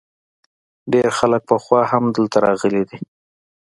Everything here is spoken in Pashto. ډیری خلک پخوا هم دلته راغلي دي